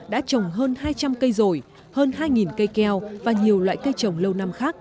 đã trồng hơn hai trăm linh cây rổi hơn hai cây keo và nhiều loại cây trồng lâu năm khác